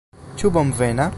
Ĉu bonvena?